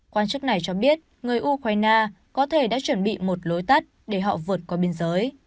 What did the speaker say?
quan chức này cho biết người ukraine có thể đã chuẩn bị một lối tắt để họ vượt qua biên giới